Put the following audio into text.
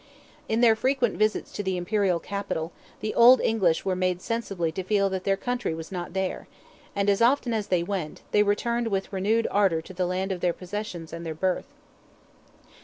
In their frequent visits to the Imperial capital, the old English were made sensibly to feel that their country was not there; and as often as they went, they returned with renewed ardour to the land of their possessions and their birth.